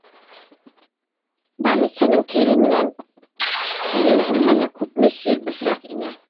Больницаның кере менән һинең бүлмәңә күпме сир, бысраҡ инә!